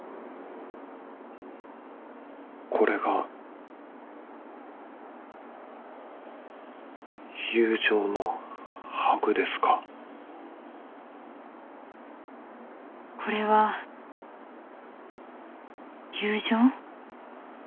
これが友情のハグですかこれは友情？